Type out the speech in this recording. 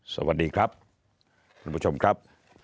สวัสดีครับท่านผู้ชมครับ